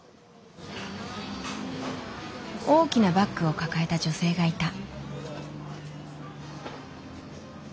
大きなバッグを抱えた女性がいた。